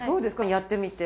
やってみて。